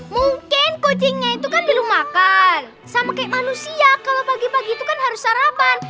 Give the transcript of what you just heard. mungkin kucingnya itu kan dulu makan sama kayak manusia kalau pagi pagi itu kan harus sarapan